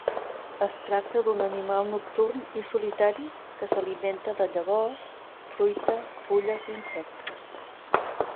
Es tracta d'un animal nocturn i solitari que s'alimenta de llavors, fruita, fulles i insectes.